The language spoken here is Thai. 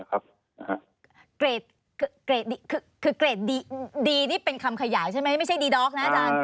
คือเกรดคือเกรดดีนี่เป็นคำขยายใช่ไหมไม่ใช่ดีด็อกนะอาจารย์